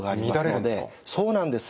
そうなんです。